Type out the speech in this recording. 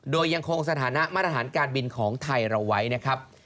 โดยยังคงสถานะมาตรฐานการบินของไทยเราไว้นะครับ